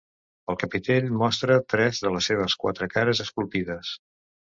El capitell mostra tres de les seves quatre cares esculpides.